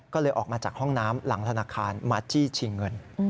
ก็เลยออกมาจากห้องน้ำหลังธนาคารมาจี้ชิงเงิน